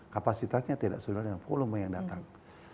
kapasitasnya tidak sesuai dengan volume yang datang